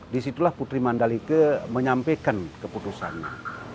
disitulah putri mandalika menyampaikan keputusannya